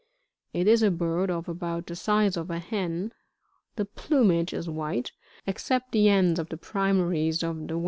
It is a bird of about the size of a hen ; the plumage is white, except the ends of the primaries of the 45.